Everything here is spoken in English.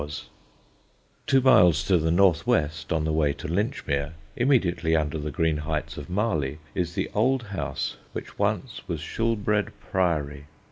[Sidenote: SHULBREDE PRIORY] Two miles to the north west, on the way to Linchmere, immediately under the green heights of Marley, is the old house which once was Shulbrede Priory.